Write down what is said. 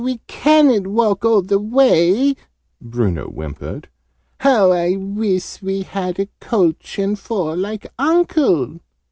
"But we ca'n't walk all the way!" Bruno whimpered. "How I wiss we had a coach and four, like Uncle!"